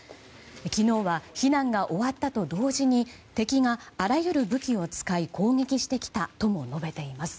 昨日は避難が終わったと同時に敵があらゆる武器を使い攻撃してきたとも述べています。